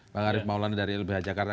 bang arief maulana dari lbh jakarta